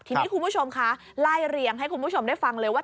ทีนี้คุณผู้ชมคะไล่เรียงให้คุณผู้ชมได้ฟังเลยว่า